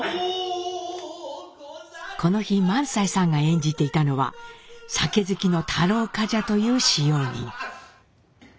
この日萬斎さんが演じていたのは酒好きの太郎冠者という使用人。